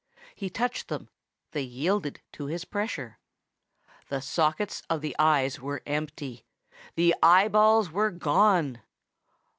He touched them; they yielded to his pressure. The sockets of the eyes were empty. The eye balls were gone!